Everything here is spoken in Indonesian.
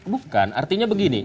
bukan artinya begini